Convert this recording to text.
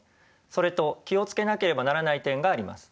それと気を付けなければならない点があります。